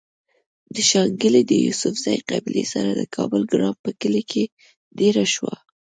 د شانګلې د يوسفزۍقبيلې سره د کابل ګرام پۀ کلي کې ديره شو